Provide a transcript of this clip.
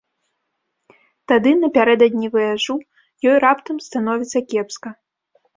Тады напярэдадні ваяжу ёй раптам становіцца кепска.